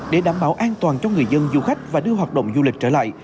để đảm bảo an toàn cho người dân du khách và đưa hoạt động du lịch trở lại